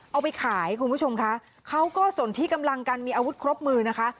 เอาไปขายคุณผู้ชมคะเขาก็สนที่กำลังกันมีอาวุธครบมือนะคะ